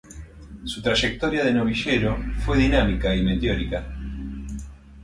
Su trayectoria de novillero fue dinámica y meteórica.